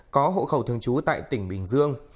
có hộ khẩu thường trú tại tỉnh bình dương